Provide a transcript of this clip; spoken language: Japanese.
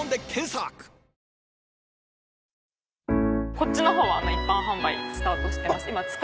こっちのほうは一般販売スタートしてます。